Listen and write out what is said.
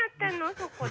そこで。